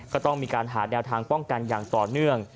ก็ต้องมีการหาแนวทางป้องกันอย่างต่อเนื่อง